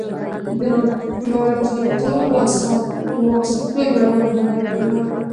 د روابطو د ټینګولو او واسطو جوړولو هنر یې درلود.